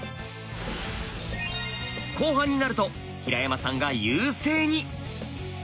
後半になると平山さんが優勢に！